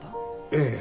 ええ。